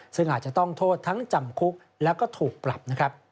ซึ่งอาจจะต้องโทษทั้งจำคุกแล้วก็ถูกปรับนะครับ